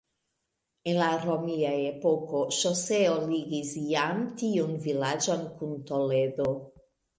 En la romia epoko ŝoseo ligis jam tiun vilaĝon kun Toledo.